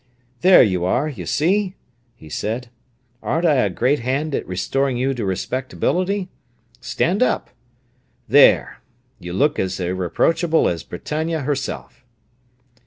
"There you are, you see!" he said. "Aren't I a great hand at restoring you to respectability? Stand up! There, you look as irreproachable as Britannia herself!"